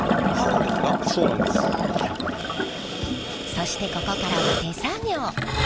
そしてここからは手作業。